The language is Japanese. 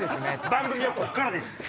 番組はここからです。